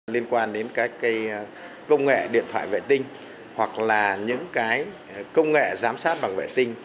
liên quan đến các công nghệ điện thoại vệ tinh hoặc là những công nghệ giám sát bằng vệ tinh